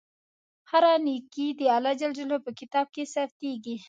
هره نېکۍ د الله په کتاب کې ثبتېږي.